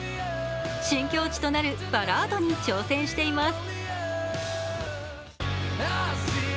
新境地となるバラードに挑戦しています。